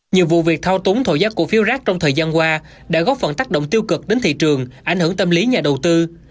nhiều vụ việc thao túng thổi giá cổ phiếu rác trong thời gian qua đã góp phần tác động tiêu cực đến thị trường ảnh hưởng tâm lý nhà đầu tư